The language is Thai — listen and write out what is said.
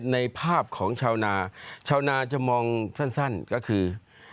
ในภาพของชาวนาชาวนาจะมองสั้นก็คือ